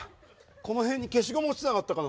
この辺に消しゴム落ちてなかったかな。